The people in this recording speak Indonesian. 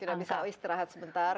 tidak bisa istirahat sebentar